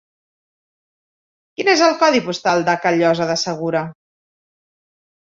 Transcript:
Quin és el codi postal de Callosa de Segura?